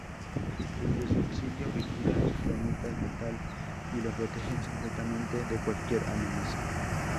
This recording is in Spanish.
Desde su exilio vigilan su planeta natal y lo protegen secretamente de cualquier amenaza.